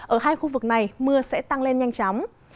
ở hai khu vực này mưa sẽ tăng lên nhanh chóng